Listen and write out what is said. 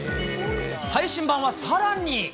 最新版はさらに。